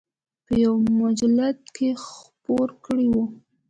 په یوه مجلد کې خپور کړی و.